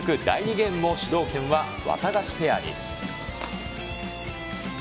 ゲームも主導権はワタガシペアに。